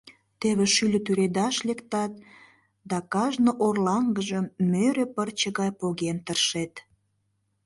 — Теве шӱльӧ тӱредаш лектат да кажне орлаҥгыжым мӧрӧ пырче гай поген тыршет.